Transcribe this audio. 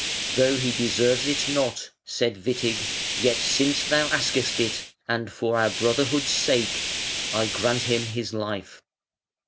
"Though he deserves it not", said Witig, "yet since thou askest it, and for our brotherhood's sake, I grant him his life".